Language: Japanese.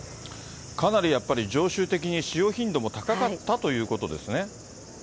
かなりやっぱり常習的に使用頻度も高かったということですね。